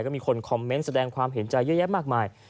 ก็มีคนคอมเมนต์แสดงความเห็นใจเยอะแยะมากมาย